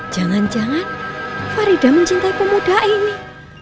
jangan jangan farida mencintai pemuda ini